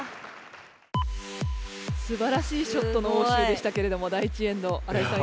すばらしいショットのおうしゅうでしたけれども第１エンド新井さん